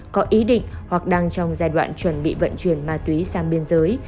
có ý định hoặc đang trong giai đoạn chuẩn bị vận chuyển ma túy sang biên giới